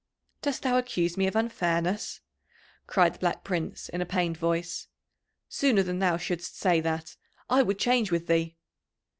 "Dost thou accuse me of unfairness?" cried the Black Prince in a pained voice. "Sooner than thou shouldst say that, I would change with thee."